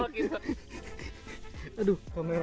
gua juga tidak bisa melangkangnya